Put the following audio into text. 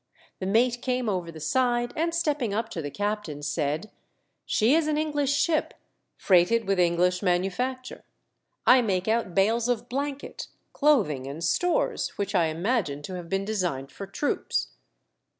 The mate came over the side, and stepping up to the captain, said, " She is an English ship, freighted with English manufacture ; I make out bales of blanket, clothing and stores, which I imagine to have been designed for troops.